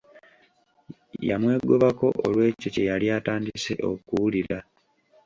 Yamwegobako olw'ekyo kye yali atandise okuwulira.